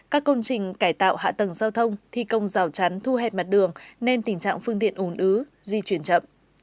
các công trình cải tạo hạ tầng giao thông thi công rào chắn thu hẹp mặt đường nên tình trạng phương tiện ồn ứ di chuyển chậm